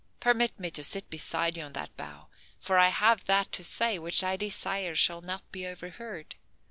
Permit me to sit beside you on that bough, for I have that to say which I desire shall not be overheard.